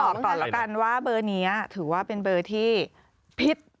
บอกก่อนแล้วกันว่าเบอร์นี้ถือว่าเป็นเบอร์ที่ผิด